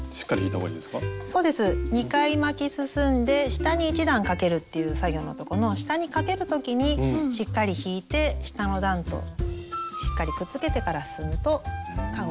そうです２回巻き進んで下に１段かけるっていう作業のとこの下にかける時にしっかり引いて下の段としっかりくっつけてから進むとかごがしっかり出来上がります。